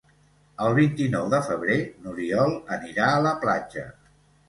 El vint-i-nou de febrer n'Oriol anirà a la platja.